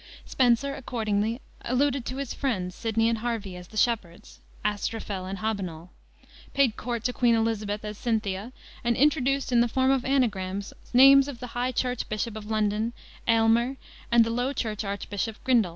Spenser, accordingly, alluded to his friends, Sidney and Harvey, as the shepherds, Astrophel and Hobbinol, paid court to Queen Elizabeth as Cynthia, and introduced, in the form of anagrams, names of the High Church Bishop of London, Aylmer, and the Low Church Archbishop Grindal.